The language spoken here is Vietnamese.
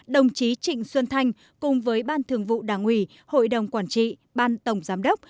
đồng chí trịnh xuân thanh cùng với ban thường vụ đảng ủy hội đồng quản trị ban tổng giám đốc